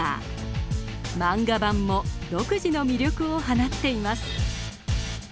漫画版も独自の魅力を放っています。